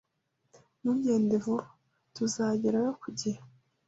Ntugende vuba. Tuzagerayo ku gihe.